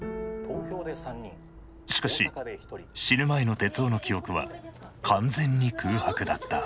しかし死ぬ前の徹生の記憶は完全に空白だった。